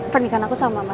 pernikahan aku sama albaik